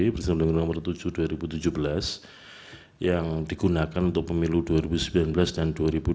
bersama undang undang nomor tujuh dua ribu tujuh belas yang digunakan untuk pemilu dua ribu sembilan belas dan dua ribu dua puluh